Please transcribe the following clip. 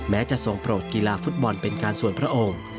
จะทรงโปรดกีฬาฟุตบอลเป็นการส่วนพระองค์